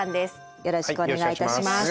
よろしくお願いします。